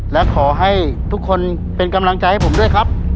และขอให้ทุกคนเป็นกำลังใจให้ผมด้วยครับ